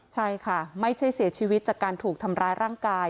ใช่ค่ะไม่ใช่เสียชีวิตจากการถูกทำร้ายร่างกาย